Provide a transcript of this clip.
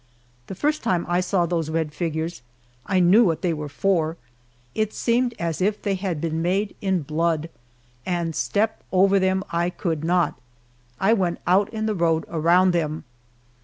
The first time I saw those red figures I knew what they were for it seemed as if they had been made in blood, and step over them I could not. I went out in the road around them.